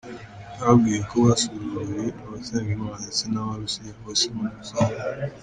Yababwiye ko basuguye abasenga imana ndetse n’abarusiya bose muri rusange.